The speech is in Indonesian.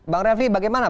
bang raffi bagaimana